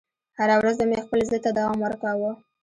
هره ورځ به مې خپل ضد ته دوام ورکاوه